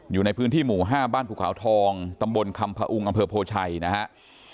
อยู่ในพื้นที่หมู่๕บ้านภูเขาทองตำรวจสพโพชัยนะครับ